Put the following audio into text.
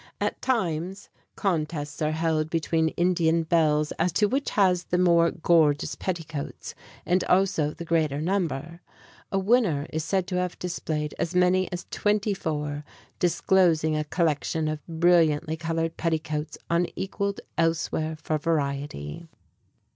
At times, contests are held between Indian belles as to which has the more gorgeous petticoats, and also the greater number. A winner is said to have displayed as many as twenty four, disclosing a collection of brilliantly colored petticoats unequaled elsewhere for variety.